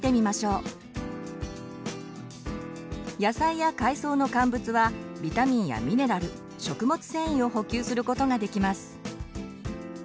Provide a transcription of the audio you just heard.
野菜や海藻の乾物はビタミンやミネラル食物繊維を補給することができます。